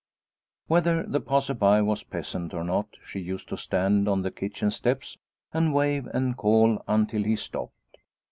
Whether the passer by was peasant or not, she used to stand on the kitchen steps and wave and call until he stopped.